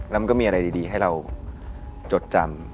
แล้วมันก็มีอะไรดีให้เราจดจำ